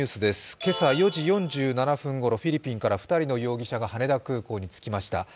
今朝４時４７分ごろ、フィリピンから２人の容疑者が羽田空港に着きました。